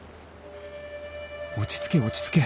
落ち着け落ち着け。